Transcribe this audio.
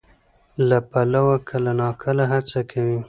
له پلوه کله ناکله هڅه کوي،